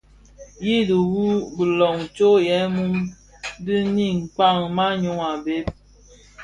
Yi dhiwu bilom tsom yè mum di nin kpag maňyu a bhëg.